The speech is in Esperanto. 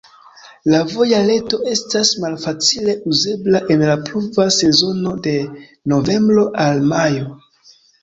La voja reto estas malfacile uzebla en la pluva sezono de novembro al majo.